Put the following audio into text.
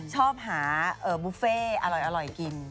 ชอบหาบุฟเฟ่อร่อยกิน